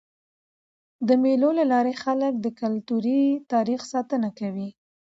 د مېلو له لاري خلک د کلتوري تاریخ ساتنه کوي.